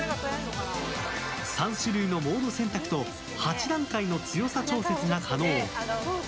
３種類のモード選択と８段階の強さ調節が可能。